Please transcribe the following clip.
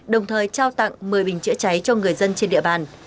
đồng thời trao tặng một mươi bình chữa cháy cho người dân trên địa bàn